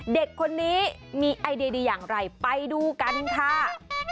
เด็กคนนี้มีไอเดียดีอย่างไรไปดูกันค่ะ